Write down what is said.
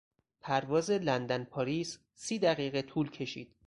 پرواز لندن - پاریس سی دقیقه طول کشید.